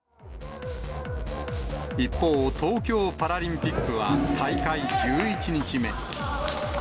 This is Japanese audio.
一方、東京パラリンピックは、大会１１日目。